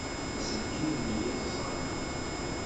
D aselkim n yiẓẓan!